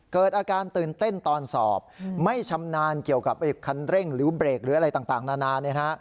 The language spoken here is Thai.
เกิดอาการตื่นเต้นตอนสอบไม่ชำนาญเกี่ยวกับคันเร่งหรือเบรกหรืออะไรต่างนานาเนี่ยนะฮะ